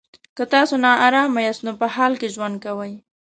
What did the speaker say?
که تاسو ارامه یاست نو په حال کې ژوند کوئ.